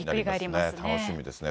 楽しみですね。